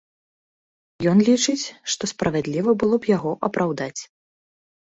Ён лічыць, што справядліва было б яго апраўдаць.